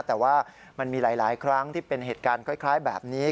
แต่ว่ามันมีหลายครั้งที่เป็นเหตุการณ์คล้ายแบบนี้